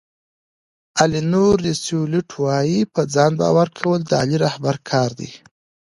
الینور روسیولوټ وایي په ځان باور کول د عالي رهبر کار دی.